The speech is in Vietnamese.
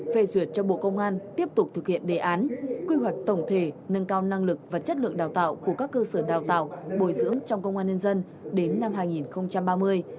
phê duyệt cho bộ công an tiếp tục thực hiện đề án quy hoạch tổng thể nâng cao năng lực và chất lượng đào tạo của các cơ sở đào tạo bồi dưỡng trong công an nhân dân đến năm hai nghìn ba mươi